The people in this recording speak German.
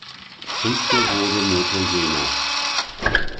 Fünfter wurde Motor Jena.